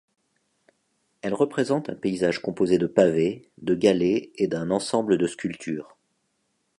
Elle représente un paysage composée de pavés, de galets et d'un ensemble de sculptures.